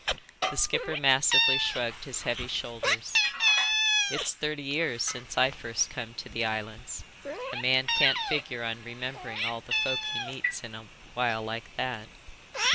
The skipper massively shrugged his heavy shoulders. "It's thirty years since I first come to the islands. A man can't figure on remembering all the folk he meets in a while like that."